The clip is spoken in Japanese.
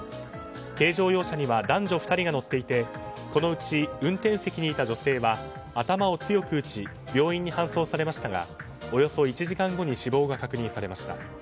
軽乗用車には男女２人が乗っていてこのうち運転席にいた女性は頭を強く打ち病院に搬送されましたがおよそ１時間後に死亡が確認されました。